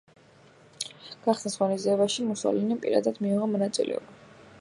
გახსნის ღონისძიებაში მუსოლინიმ პირადად მიიღო მონაწილეობა.